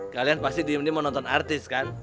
kalian pasti diem nih mau nonton artis kan